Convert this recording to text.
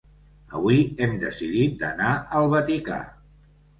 Avui hem decidit d'anar al Vaticà.